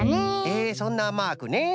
えそんなマークね。